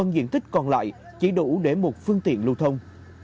năm diện tích còn lại chỉ đủ để một phương tiện lưu thông